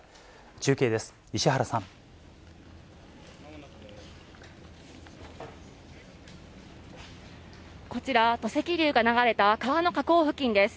中継です、こちら、土石流が流れた川の河口付近です。